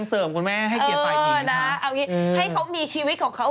น่าอายมากเลยคนสมัยนี้